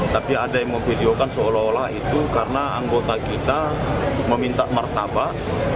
tapi ada yang memvideokan seolah olah itu karena anggota kita meminta martabak